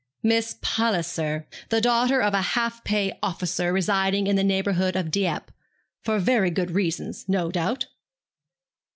'Miss Palliser, the daughter of a half pay officer residing in the neighbourhood of Dieppe for very good reasons, no doubt.